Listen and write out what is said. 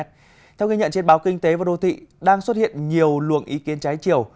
theo ghi nhận trên báo kinh tế và đô thị đang xuất hiện nhiều luồng ý kiến trái chiều